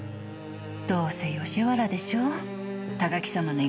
どうせ吉原でしょ高木様の行く所は。